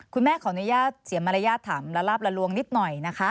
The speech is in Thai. คุณแม่ขออนุญาตเสียมารยาทถามละลาบละลวงนิดหน่อยนะคะ